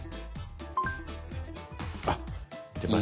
あっ出ました。